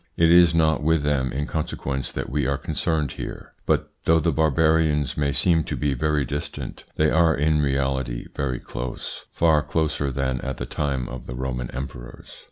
It is not with them in consequence that we are concerned here, but though the Barbarians may seem to be very distant, they are in reality very close, far closer than at the time of the Roman emperors.